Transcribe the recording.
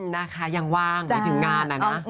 นะคะยังว่างไปถึงงานอะนะ